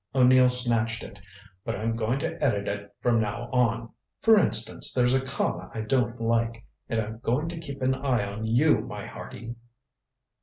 O'Neill snatched it. "But I'm going to edit it from now on. For instance, there's a comma I don't like. And I'm going to keep an eye on you, my hearty."